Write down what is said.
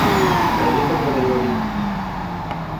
വൈകിട്ടെന്താ പരിപാടി